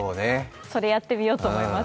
それ、やってみようと思います